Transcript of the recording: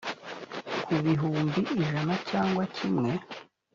ku bihumbi ijana cyangwa kimwe